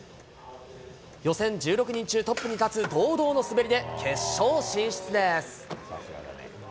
予選１６人中トップに立つ堂々の滑りで決勝進出です。